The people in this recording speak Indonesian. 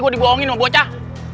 gue dibohongin sama bocah